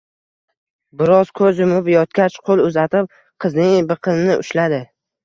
Biroz koʻz yumib yotgach, qoʻl uzatib qizning biqinini ushladi